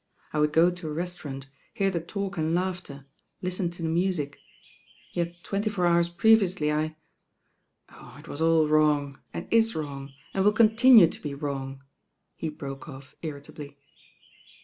I would go to a rcataurant, hear the talk and laughter, liiten to the music; yet twenty four hours previously I ohl it was »n wrong, and is wrong, and will continue to be wrong," he broke off irritably.